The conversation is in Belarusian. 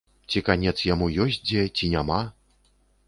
Ці канец яму ёсць дзе, ці няма?